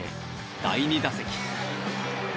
第２打席。